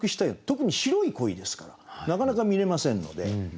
特に白い鯉ですからなかなか見れませんので。